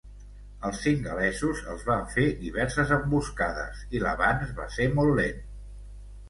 Els singalesos els van fer diverses emboscades i l'avanç va ser molt lent.